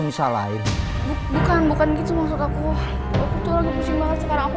misal lain bukan bukan gitu maksud aku betul betul pusing banget sekarang aku